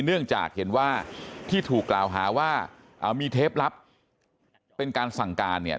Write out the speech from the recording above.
เนื่องจากเห็นว่าที่ถูกกล่าวหาว่ามีเทปลับเป็นการสั่งการเนี่ย